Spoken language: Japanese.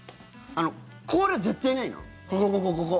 これ、絶対ないの？